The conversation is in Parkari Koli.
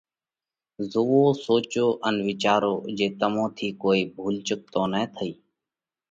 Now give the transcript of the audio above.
زوئو، سوچو ان وِيچارو جي تمون ٿِي ڪوئي ڀُول چُڪ تو نه ٿيتئِي!